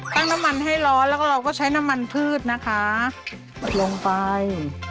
น้ำมันให้ร้อนแล้วก็เราก็ใช้น้ำมันพืชนะคะลงไป